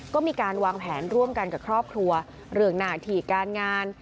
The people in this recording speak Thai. ก็มีการวางแผนร่วมกันกับครอบครัวเรื่องหน้าที่การงาน